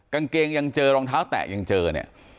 กางเกงยังเจอรองเท้าแตะยังเจอเนี่ย